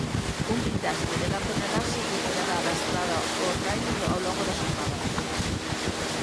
Un guindastre de gran tonelaxe retirará da estrada o tráiler ao longo da xornada.